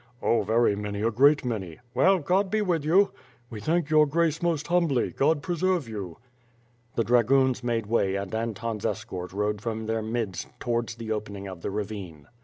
"Oh, very many, a great many." "Well, God be with you!" "We thank your Grace most humbly. God preserve you!" The dragoons made way and Anton's escort rode from their midst towards the opening of the ravine.